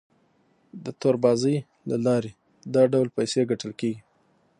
د تور بازارۍ له لارې دا ډول پیسې ګټل کیږي.